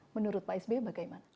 menurut pak s b bagaimana